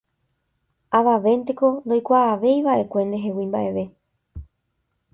Avavénteko ndoikuaavéiva'ekue ndehegui mba'eve